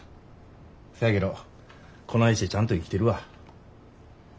せやけどこないしてちゃんと生きてるわ。